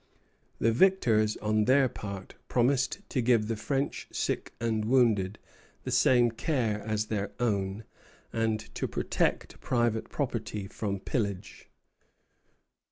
The victors, on their part, promised to give the French sick and wounded the same care as their own, and to protect private property from pillage.